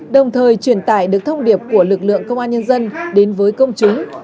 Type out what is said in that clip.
đồng thời truyền tải được thông điệp của lực lượng công an nhân dân đến với công chúng